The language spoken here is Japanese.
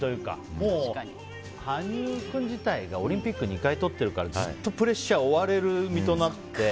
もう羽生君自体がオリンピック２回とってるからずっとプレッシャー追われる身となって。